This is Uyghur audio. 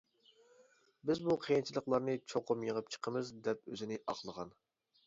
بىز بۇ قىيىنچىلىقلارنى چوقۇم يېڭىپ چىقىمىز دەپ ئۆزىنى ئاقلىغان.